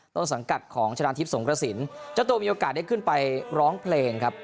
ต้นสังกัดของชนะทิพย์สงกระสินเจ้าตัวมีโอกาสได้ขึ้นไปร้องเพลงครับ